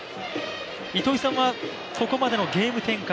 糸井さんはここまでのゲーム展開